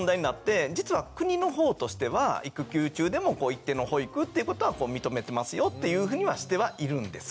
実は国のほうとしては育休中でも一定の保育っていうことは認めてますよっていうふうにはしてはいるんです。